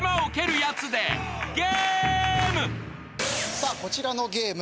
さあこちらのゲーム。